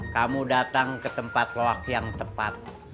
kamu datang ke tempat loak yang tepat